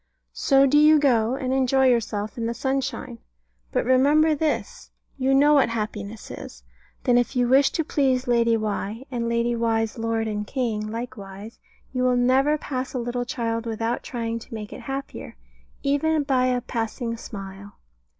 So do you go, and enjoy yourself in the sunshine; but remember this You know what happiness is. Then if you wish to please Lady Why, and Lady Why's Lord and King likewise, you will never pass a little child without trying to make it happier, even by a passing smile.